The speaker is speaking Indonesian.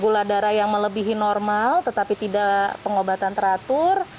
gula darah yang melebihi normal tetapi tidak pengobatan teratur